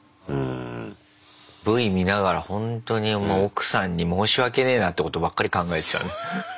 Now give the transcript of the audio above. Ｖ見ながらほんとに奥さんに申し訳ねえなってことばっかり考えてたね。